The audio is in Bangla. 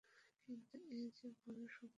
কিন্তু এ যে বড়ো শক্ত কথা।